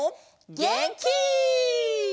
げんき！